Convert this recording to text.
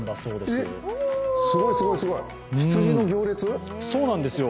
すごい、すごい、羊の行列？